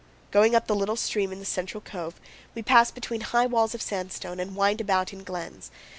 Going up the little stream in the central cove, we pass between high walls of sandstone, and wind about in glens.